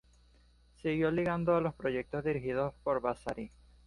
Siguió ligado a los proyectos dirigidos por Vasari.